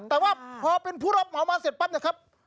แต่ว่าพอเป็นผู้รับเหมามาเสร็จปั๊บเนี่ยครับ